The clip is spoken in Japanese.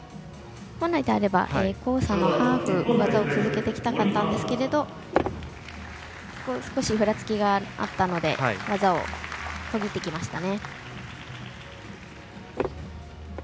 本来であれば交差のハーフ技を続けていきたかったんですが少しふらつきがあったので技を途切ってきました。